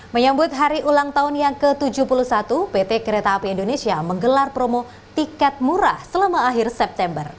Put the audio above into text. menyambut hari ulang tahun yang ke tujuh puluh satu pt kereta api indonesia menggelar promo tiket murah selama akhir september